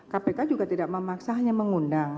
kpk juga tidak memaksanya mengundang